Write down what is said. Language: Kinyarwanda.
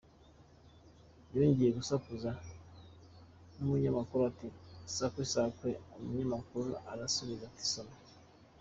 Yongeye gusakuza n’umunyamakuru ati ‘Sakwe Sakwe’, umunyamakuru arasubiza ati ‘Soma’ .